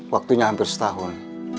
waktunya hampir setahun